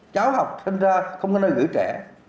cháu học sinh ra không có nơi gửi trẻ